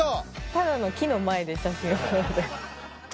ただの木の前で写真を撮って。